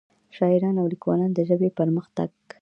شاعران او ليکوال دَ ژبې پۀ پرمخ تګ